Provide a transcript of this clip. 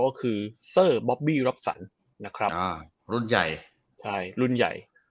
ก็คือเซอร์บอบบี้รับสันนะครับรุ่นใหญ่ใช่รุ่นใหญ่